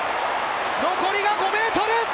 残りが５ｍ！